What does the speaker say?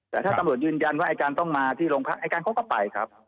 แต่ถ้าตำรวจยืนยันว่าอายการต้องมาที่โรงพักอายการเขาก็ไปครับ